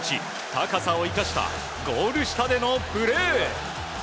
高さを生かしたゴール下でのプレー。